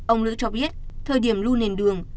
ông lữ cho biết thời điểm lưu nền đường